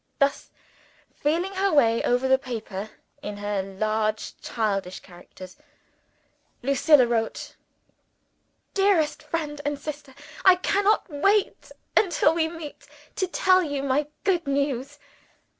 Thus feeling her way over the paper, in her large childish characters Lucilla wrote: "DEAREST FRIEND AND SISTER, I cannot wait until we meet, to tell you my good news.